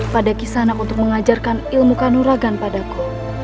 pada kisanak untuk mengajarkan ilmu kanuragan padaku